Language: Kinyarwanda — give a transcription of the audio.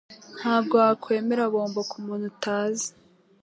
Ntabwo wakwemera bombo kumuntu utazi.